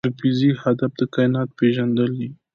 د فزیک هدف د کائنات پېژندل دي.